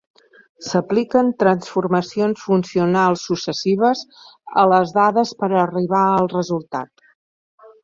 S'apliquen transformacions funcionals successives a les dades per arribar al resultat.